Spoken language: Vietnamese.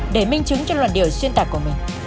để minh chứng cho luận điều xuyên tạc của mình